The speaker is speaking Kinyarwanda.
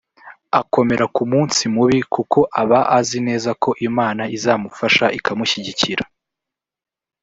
Akomera ku munsi mubi kuko aba azi neza ko Imana izamufasha ikamushyigikira